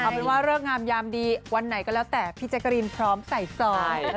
เอาเป็นว่าเลิกงามยามดีวันไหนก็แล้วแต่พี่แจ๊กกะรีนพร้อมใส่ซอย